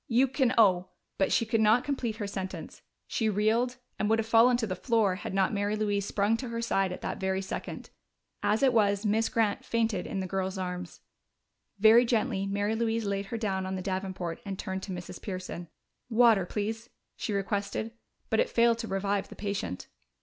You can owe " But she could not complete her sentence: she reeled, and would have fallen to the floor had not Mary Louise sprung to her side at that very second. As it was, Miss Grant fainted in the girl's arms. Very gently Mary Louise laid her down on the davenport and turned to Mrs. Pearson. "Water, please," she requested. But it failed to revive the patient.